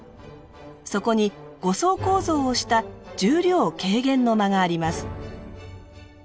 そこに５層構造をした「重量軽減の間」があります。